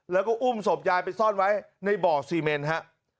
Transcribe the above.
แล้วก็อุ้มศพยายไปซ่อนไว้ในบ่อซีเมนฮะ